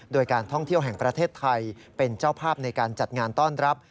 โดยการท่องเที่ยวแห่งประเทศไทยเป็นเจ้าภาพในการจัดงานต้อนรับ